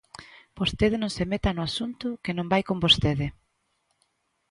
Vostede non se meta no asunto que non vai con vostede.